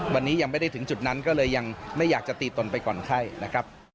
วันนี้ยังไม่ได้ถึงจุดนั้นก็เลยยังไม่อยากจะตีตนไปก่อนไข้นะครับ